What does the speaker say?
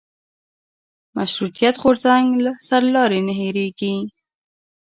مشروطیت غورځنګ سرلاري نه هېرېږي.